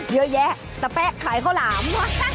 เยอะแยะตะแป๊ะขายข้าวหลาม